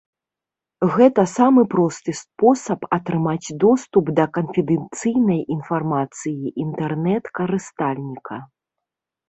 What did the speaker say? Гэта самы просты спосаб атрымаць доступ да канфідэнцыйнай інфармацыі інтэрнэт-карыстальніка.